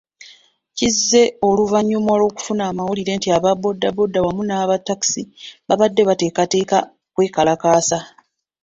Kize oluvannyuma lw'okufuna amawulire nti aba boda boda wamu n'aba takisi babadde bateekateeka kwekalakaasa.